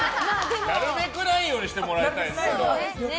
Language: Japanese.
なるべくないようにしてもらいたいけど。